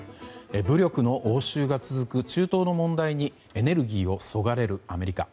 武力の応酬が続く中東の問題にエネルギーをそがれるアメリカ。